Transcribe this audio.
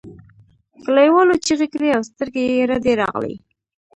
کليوالو چیغې کړې او سترګې یې رډې راغلې.